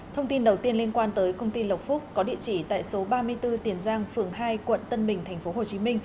thông tin đầu tiên liên quan tới công ty lộc phúc có địa chỉ tại số ba mươi bốn tiền giang phường hai quận tân bình tp hcm